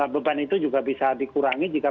beban itu juga bisa dikurangi jika